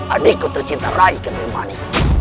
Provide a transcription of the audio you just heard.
adikku tercinta rai kenilmani